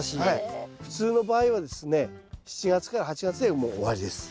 普通の場合はですね７月から８月でもう終わりです。